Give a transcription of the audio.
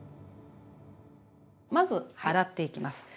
まず洗っていきます。